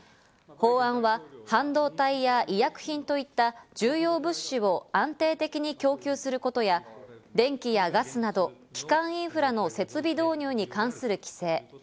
法案は半導体や医薬品といった重要物資を安定的に供給することや、電気やガスなど基幹インフラの設備導入に関する規制。